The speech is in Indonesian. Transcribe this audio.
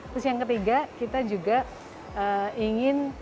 terus yang ketiga kita juga ingin